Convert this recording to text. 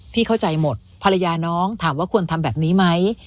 เข้าใจหมดภรรยาน้องถามว่าควรทำแบบนี้ไหม